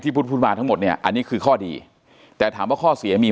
พูดพูดมาทั้งหมดเนี่ยอันนี้คือข้อดีแต่ถามว่าข้อเสียมี